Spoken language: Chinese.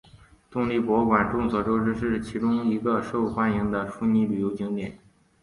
动力博物馆众所周知是其中一个受欢迎的悉尼旅游景点。